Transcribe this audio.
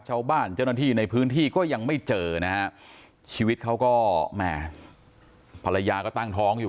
ชาวบ้านเจ้าหน้าที่ในพื้นที่ก็ยังไม่เจอนะฮะชีวิตเขาก็แหม่ภรรยาก็ตั้งท้องอยู่